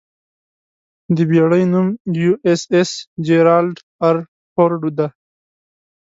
د بېړۍ نوم 'یواېساېس جېرالډ ار فورډ' دی.